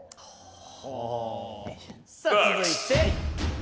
・は・さあ続いて。